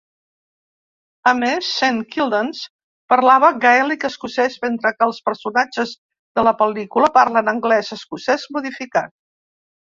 A més, Saint Kildans parlava gaèlic escocès, mentre que els personatges de la pel·lícula parlen anglès escocès modificat.